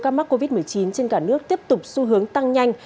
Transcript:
ca mắc covid một mươi chín trên cả nước tiếp tục xu hướng tăng nhanh